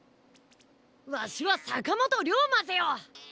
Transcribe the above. ワシは坂本龍馬ぜよ！